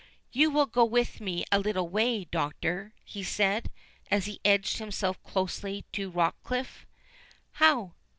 "You will go with me a little way, Doctor?" he said, as he edged himself closely to Rochecliffe. "How?